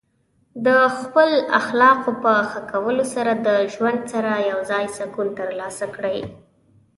د خپل اخلاقو په ښه کولو سره د ژوند سره یوځای سکون ترلاسه کړئ.